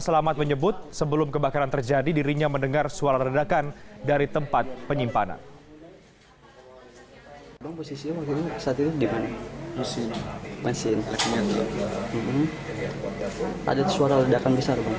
selamat menyebut sebelum kebakaran terjadi dirinya mendengar suara ledakan dari tempat penyimpanan